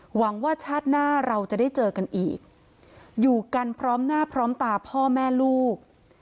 หวังว่าชาติหน้าเราจะได้เจอกันอีกอยู่กันพร้อมหน้าพร้อมตาพ่อแม่ลูก